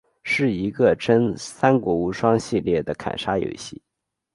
是一个真三国无双系列的砍杀游戏。